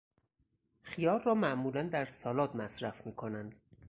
خیار را معمولا در سالاد مصرف میکنند.